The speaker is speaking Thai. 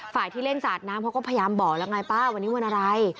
ที่เล่นสาดน้ำเขาก็พยายามบอกแล้วไงป้าวันนี้วันอะไร